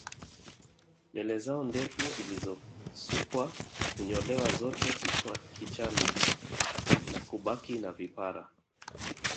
Nywele zao ndefu zilizosukwa hunyolewa zote kichani na kubaki na vipara